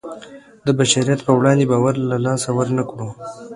د بشریت په وړاندې باور له لاسه ورنکړو.